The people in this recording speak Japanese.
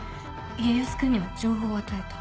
家康君には情報を与えた。